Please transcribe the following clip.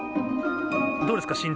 どうですか？